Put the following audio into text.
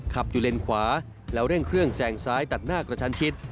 ขับอยู่เลนขวาแล้วเร่งเครื่องแซงซ้ายตัดหน้ากระชันชิด